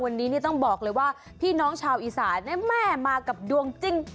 วันนี้ต้องบอกเลยว่าพี่น้องชาวอีสานแม่มากับดวงจริง